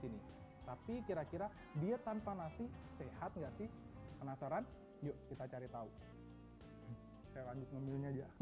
ini tapi kira kira dia tanpa nasi sehat enggak sih penasaran yuk kita cari tahu